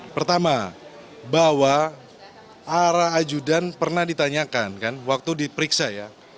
pertama bahwa arah ajudan pernah ditanyakan kan waktu diperiksa ya